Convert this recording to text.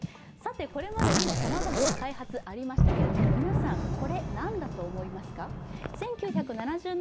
これまでにもさまざまな開発、ありましたけれども皆さん、これ何だと思いますか。